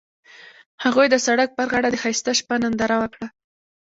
هغوی د سړک پر غاړه د ښایسته شپه ننداره وکړه.